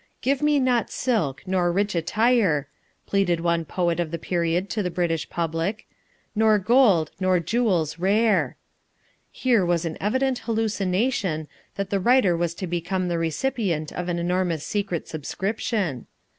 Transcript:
"Give me not silk, nor rich attire," pleaded one poet of the period to the British public, "nor gold nor jewels rare." Here was an evident hallucination that the writer was to become the recipient of an enormous secret subscription.